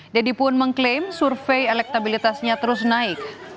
deddy pun mengklaim survei elektabilitasnya terus naik